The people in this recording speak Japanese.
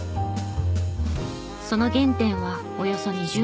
その原点はおよそ２０年前。